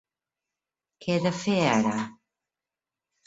Què he de fer ara?